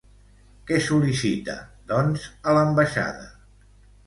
Què sol·licita, doncs, a l'ambaixada?